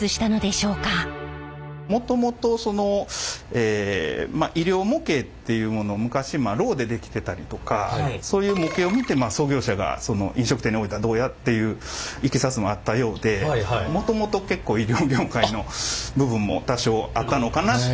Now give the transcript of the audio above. もともとその医療模型っていうものを昔ロウで出来てたりとかそういう模型を見てまあ創業者が飲食店に置いたらどうやっていういきさつもあったようでもともと結構医療業界の部分も多少あったのかなって